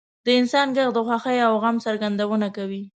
• د انسان ږغ د خوښۍ او غم څرګندونه کوي.